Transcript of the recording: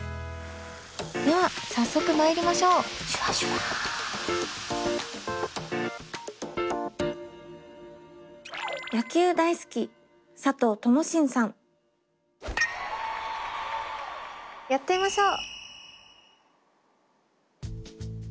では早速まいりましょうやってみましょう。